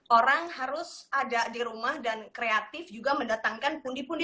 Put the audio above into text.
orang harus ada di rumah dan kreatif juga mendatangkan pundi pundi